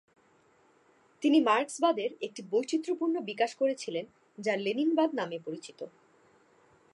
তিনি মার্কসবাদের একটি বৈচিত্র্যপূর্ণ বিকাশ করেছিলেন যা "লেনিনবাদ" নামে পরিচিত।